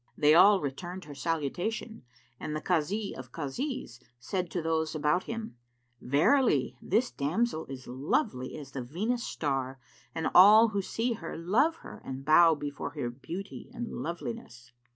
They all returned her salutation and the Kazi of Kazis said to those about him, "Verily this damsel is lovely as the Venus star[FN#363] and all who see her love her and bow before her beauty and loveliness."